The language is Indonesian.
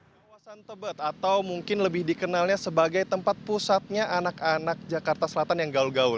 kawasan tebet atau mungkin lebih dikenalnya sebagai tempat pusatnya anak anak jakarta selatan yang gaul gaul